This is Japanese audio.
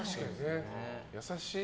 優しい。